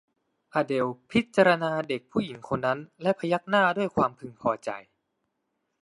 อเดลล์พิจารณาเด็กผู้หญิงคนนั้นและพยักหน้าด้วยความพึงพอใจ